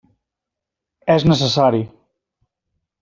És necessari.